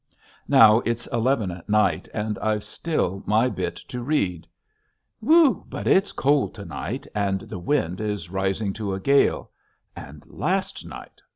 Now it's eleven at night and I've still my bit to read. Whew, but it's cold to night and the wind is rising to a gale. And last night!